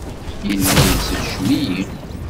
Yella ittejjem-iyi.